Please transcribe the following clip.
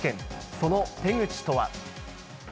その手口とは。